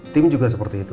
tim juga seperti itu